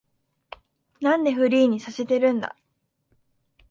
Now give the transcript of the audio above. なんでフリーにさせてるんだ